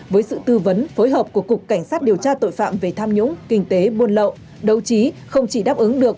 với sự tư vấn phối hợp của cục cảnh sát điều tra tội phạm về tham nhũng kinh tế buôn lậu đấu trí không chỉ đáp ứng được